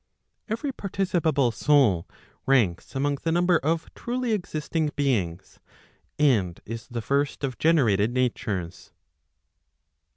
Every participate soul ranks among the number of [truly existing! beings, and is the first of generated natures.